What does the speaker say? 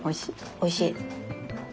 おいしい。